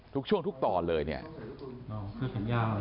ทุกช่วงทุกตอนเลย